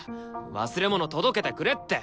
忘れ物届けてくれって。